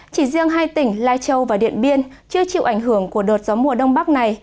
chỉ riêng hai tỉnh lai châu và điện biên chưa chịu ảnh hưởng của đợt gió mùa đông bắc này